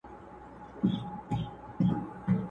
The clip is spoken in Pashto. پر سلطان باندي دعاوي اورېدلي!.